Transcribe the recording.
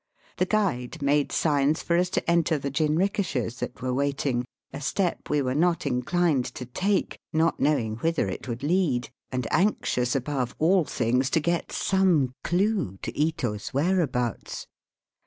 The guide made signs for us to enter the jinrikishas that were waiting, a step we were not inclined to take, not knowing whither it would lead, and anxious above aU things to get some clue to Ito's whereabouts.